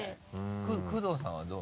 工藤さんはどう？